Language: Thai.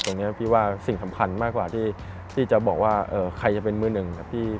ตรงนี้พี่ว่าสิ่งสำคัญมากกว่าที่จะบอกว่าใครจะเป็นมือหนึ่งครับพี่